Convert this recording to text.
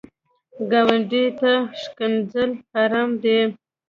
ګاونډي ته ښکنځل حرام دي